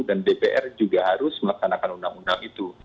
dan dpr juga harus melaksanakan undang undang itu